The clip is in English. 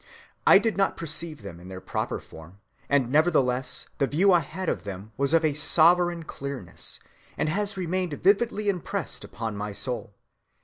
I did not perceive them in their proper form, and nevertheless the view I had of them was of a sovereign clearness, and has remained vividly impressed upon my soul.